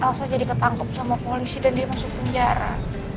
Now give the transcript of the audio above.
langsung jadi ketangkep sama polisi dan dia masuk penjara